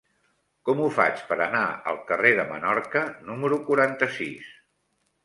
Com ho faig per anar al carrer de Menorca número quaranta-sis?